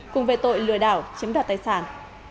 cùng về tội lừa đảo chiếm đoạt tài sản